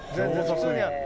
普通にある。